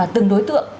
từng đối tượng